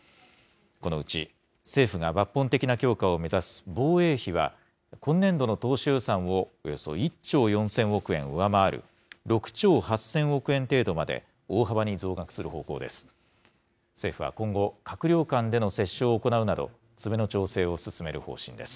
このうち、政府が抜本的な強化を目指す防衛費は、今年度の当初予算をおよそ１兆４０００億円上回る、６兆８０００億円程度まで大幅に増額する方向です。